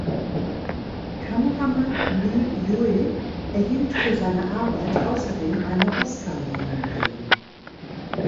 Kameramann Lü Yue erhielt für seine Arbeit außerdem eine Oscarnominierung.